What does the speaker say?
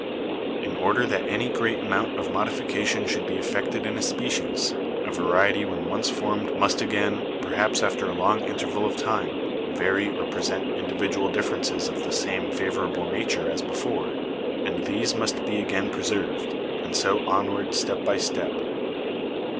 "In order that any great amount of modification should be effected in a species, a variety when once formed must again, perhaps after a long interval of time, vary or pre sent individual differences of the same favorable nature as before; and these must be again preserved, and so onward step by step.